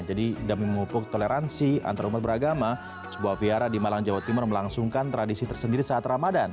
demi memupuk toleransi antarumat beragama sebuah vihara di malang jawa timur melangsungkan tradisi tersendiri saat ramadan